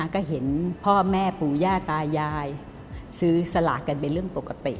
ก็เห็นพ่อแม่ปู่ย่าตายายซื้อสลากกันเป็นเรื่องปกติ